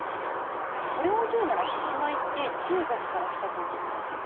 それを言うなら獅子舞って中国から来たと思うんだけど。